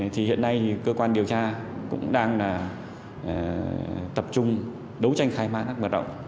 thì hiện nay cơ quan điều tra cũng đang tập trung đấu tranh khai mát rất vượt rộng